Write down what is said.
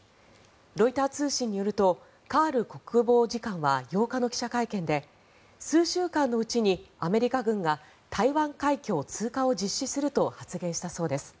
ロイター通信によるとカール国防次官は８日の記者会見で数週間のうちにアメリカ軍が台湾海峡通過を実施すると発言したそうです。